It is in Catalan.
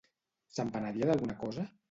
Se'n penedia d'alguna cosa?